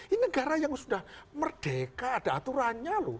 ini negara yang sudah merdeka ada aturannya loh